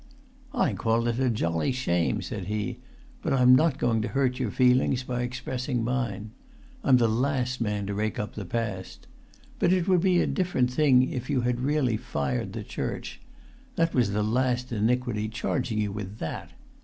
"I call it a jolly shame," said he; "but I'm not going to hurt your feelings by expressing mine. I'm the last man to rake up the past. But it would be a different thing if you had really fired the church; that was the last iniquity, charging you with that!